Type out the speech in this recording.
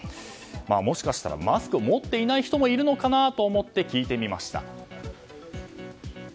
もしかしたらマスクを持っていない人もいるのかなと思って聞いてみました。